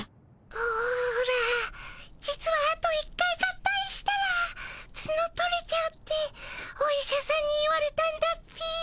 オオラ実はあと一回合体したらツノ取れちゃうってお医者さんに言われたんだっピィ。